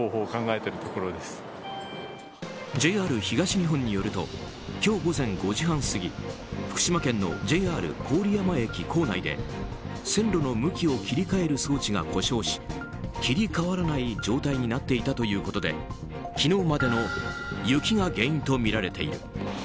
ＪＲ東日本によると今日午前５時半過ぎ福島県のＪＲ郡山駅構内で線路の向きを切り替える装置が故障し切り替わらない状態になっていたということで昨日までの雪が原因とみられている。